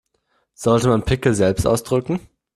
Sollte man Pickel selbst ausdrücken?